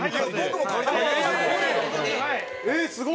えっすごい！